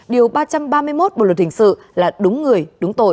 điều ba trăm ba mươi một bộ luật hình sự là đúng người đúng tội